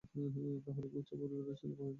তাহলে কী উচ্চ পরিবারের ছেলেরা অবিবাহিত থেকে যাবে?